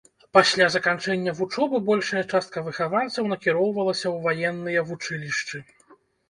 Пасля заканчэння вучобы большая частка выхаванцаў накіроўвалася ў ваенныя вучылішчы.